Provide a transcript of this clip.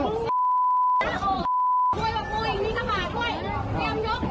เตรียมลดชุดเลยด้วยนะคะ